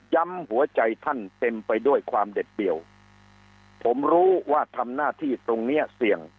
หัวใจท่านเต็มไปด้วยความเด็ดเดี่ยวผมรู้ว่าทำหน้าที่ตรงเนี้ยเสี่ยง